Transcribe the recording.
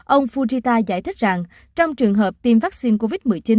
ông fujita giải thích rằng trong trường hợp tiêm vaccine covid một mươi chín